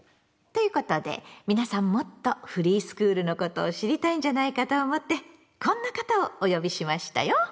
ということで皆さんもっとフリースクールのことを知りたいんじゃないかと思ってこんな方をお呼びしましたよ。